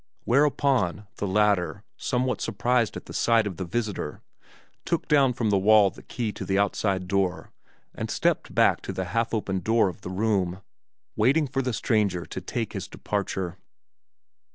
whereupon the latter, somewhat surprised at the sight of the visitor, took down from the wall the key to the outside door and stepped back to the half opened door of the room, waiting for the stranger to take his departure.